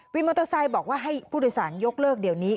มอเตอร์ไซค์บอกว่าให้ผู้โดยสารยกเลิกเดี๋ยวนี้